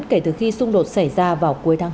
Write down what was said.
kể từ khi xung đột xảy ra vào cuối tháng hai